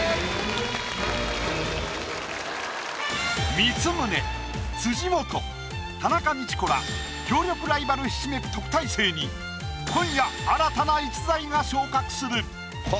光宗辻元田中道子ら強力ライバルひしめく特待生に今夜新たな逸材が昇格する！